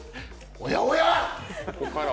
おやおや！